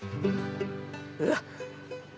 うわっ！